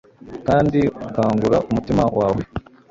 kandi ukangura umutima wawe